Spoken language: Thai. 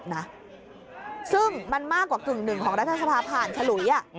ซึ่งมันมากกว่ากึ่งหนึ่งของรัฐสภาผ่านฉลุย